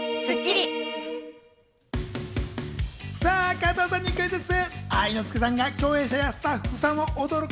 加藤さんにクイズッス。